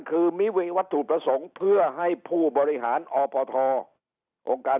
คือไม่มีวัตถุประสงค์เพื่อให้ผู้บริหารอพทองค์การ